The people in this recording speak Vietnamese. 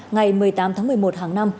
ngày một mươi tám tháng một mươi một hàng năm